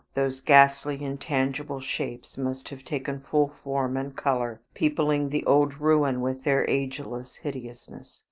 Those ghastly intangible shapes must have taken full form and color, peopling the old ruin with their ageless hideousness.